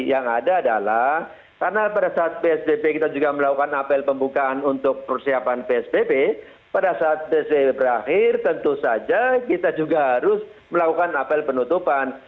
yang ada adalah karena pada saat psbb kita juga melakukan apel pembukaan untuk persiapan psbb pada saat dc berakhir tentu saja kita juga harus melakukan apel penutupan